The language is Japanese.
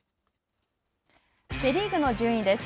セ・リーグの順位です。